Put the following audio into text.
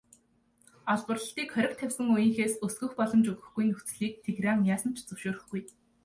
Олборлолтыг хориг тавьсан үеийнхээс өсгөх боломж өгөхгүй нөхцөлийг Тегеран яасан ч зөвшөөрөхгүй.